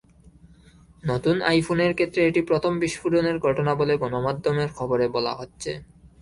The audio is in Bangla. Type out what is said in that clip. নতুন আইফোনের ক্ষেত্রে এটি প্রথম বিস্ফোরণের ঘটনা বলে গণমাধ্যমের খবরে বলা হচ্ছে।